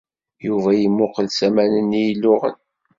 Yuba yemmuqqel s aman-nni iluɣen.